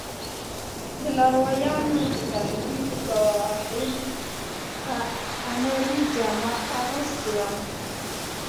د لارویانو د تهدید ګواښل عملي جامه اغوستې وه.